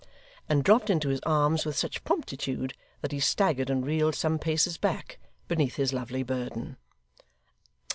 and dropped into his arms with such promptitude that he staggered and reeled some paces back, beneath his lovely burden.